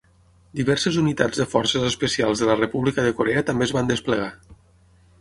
Diverses unitats de forces especials de la República de Corea també es van desplegar.